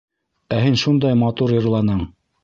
Ә һин шундай матур йырланың!